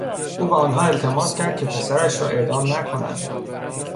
او به آنها التماس کرد که پسرش را اعدام نکنند.